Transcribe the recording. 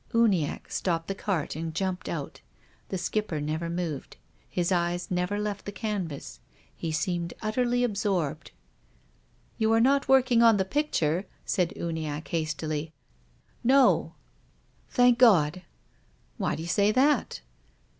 Uniacke stopped the cart and jumped out. The Skipper never moved. His eyes never left the canvas. He seemed utterly absorbed. " You arc not working on the picture ?" said Uniacke hastily. " No." 104 TOXGUES OF CONSCIENCE. " Thank God." " Why d'you say that